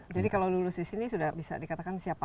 jadi kalau lulus di sini sudah bisa dikatakan siap pakai